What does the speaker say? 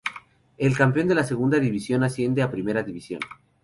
El campeón de la Segunda División asciende a Primera División.